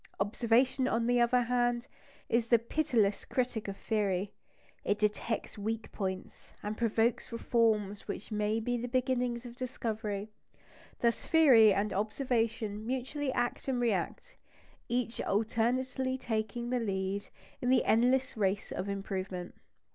Observation, on the other hand, is the pitiless critic of theory; it detects weak points, and provokes reforms which may be the beginnings of discovery. Thus, theory and observation mutually act and react, each alternately taking the lead in the endless race of improvement.